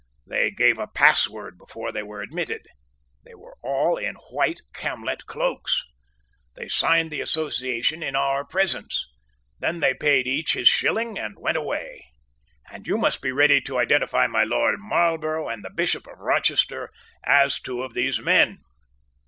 They gave a password before they were admitted. They were all in white camlet cloaks. They signed the Association in our presence. Then they paid each his shilling and went away. And you must be ready to identify my Lord Marlborough and the Bishop of Rochester as two of these men."